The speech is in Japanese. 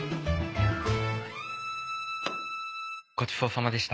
ごちそうさまでした。